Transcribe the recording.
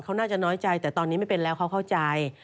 เขาน่าจะน้อยใจแต่ตอนนี้ไม่เป็นแล้วเขาเข้าใจ